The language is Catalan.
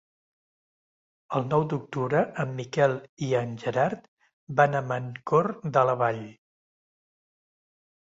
El nou d'octubre en Miquel i en Gerard van a Mancor de la Vall.